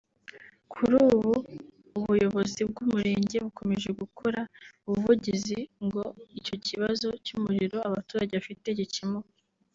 Kuri ubu ubuyobozi bw’umurenge bukomeje gukore ubuvugizi ngo icyo kibazo cy’umuriro abaturage bafite gikemuke